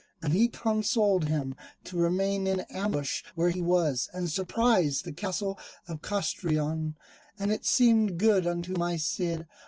And he counselled him to remain in ambush where he was, and surprise the castle of Castrejon: and it seemed good unto my Cid.